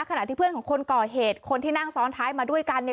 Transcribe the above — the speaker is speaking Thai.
ขณะที่เพื่อนของคนก่อเหตุคนที่นั่งซ้อนท้ายมาด้วยกันเนี่ย